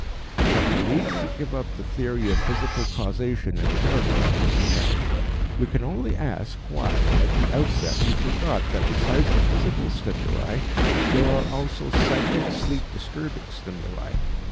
But we need not give up the theory of physical causation entirely on this account. We can only ask why at the outset we forgot that besides the physical stimuli there are also psychic sleep disturbing stimuli.